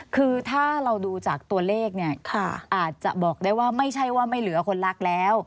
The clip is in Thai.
คือถ้าเราดูจากตัวเลขเนี่ยอาจจะบอกได้ว่าไม่ใช่ว่าไม่เหลือคนรักแล้ว